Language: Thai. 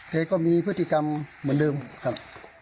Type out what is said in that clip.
ก็มีพฤติกรรมเหมือนเดิมครับ